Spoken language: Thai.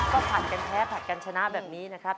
ก็ผัดกันแพ้ผลัดกันชนะแบบนี้นะครับ